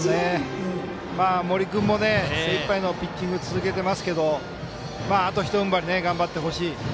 森君も精いっぱいのピッチング続けてますけどあと、ひとふんばり頑張ってほしい。